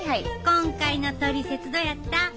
今回のトリセツどうやった？